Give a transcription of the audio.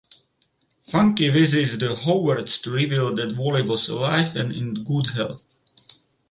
Funky visits the Howards to reveal that Wally was alive and in good health.